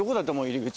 入り口。